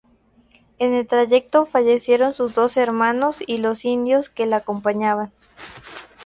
En el trayecto, fallecieron sus dos hermanos y los indios que la acompañaban.